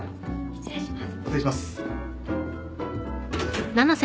失礼します。